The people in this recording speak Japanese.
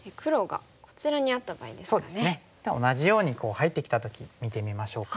同じように入ってきた時見てみましょうか。